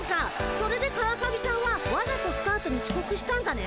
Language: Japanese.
それで川上さんはわざとスタートにちこくしたんだね。